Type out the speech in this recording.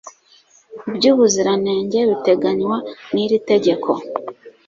iby'ubuziranenge biteganywa n'iri tegeko